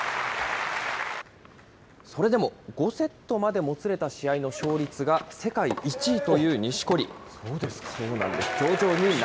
それでも５セットまでもつれた試合の勝率が世界１位という錦織。